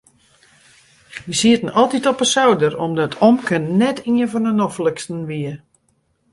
We sieten altyd op de souder omdat omke net ien fan de nofliksten wie.